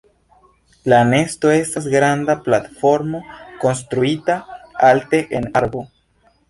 La nesto estas granda platformo konstruita alte en arbo.